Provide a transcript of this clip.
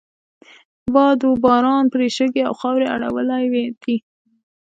باد و باران پرې شګې او خاورې اړولی دي.